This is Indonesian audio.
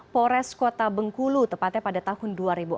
pores kota bengkulu tepatnya pada tahun dua ribu empat